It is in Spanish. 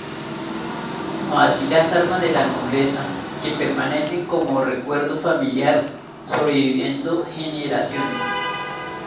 No así las armas de la nobleza, que permanecen como recuerdo familiar, sobreviviendo generaciones.